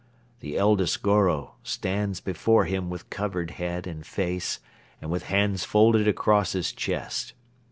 The eldest Goro stands before him with covered head and face and with hands folded across his chest.